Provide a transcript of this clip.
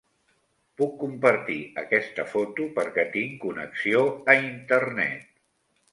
Puc compartir aquesta foto perquè tinc connexió a internet.